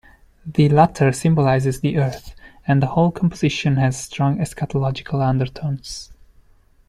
The latter symbolizes the Earth, and the whole composition has strong eschatological undertones.